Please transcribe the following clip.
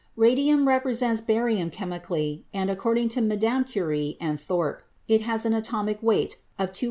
Radium resembles barium chemi cally and, according to Mme. Curie and Thorpe, it has an atomic weight of 226.